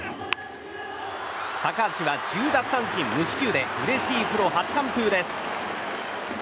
高橋は１０奪三振無四球でうれしいプロ初完封です。